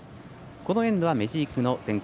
このエンドはメジークが先攻。